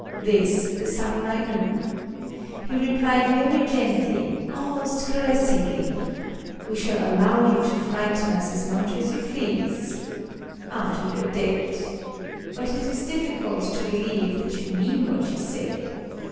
This the samurai knew. He replied very gently,—almost caressingly:— "We shall allow you to frighten us as much as you please—after you are dead. But it is difficult to believe that you mean what you say.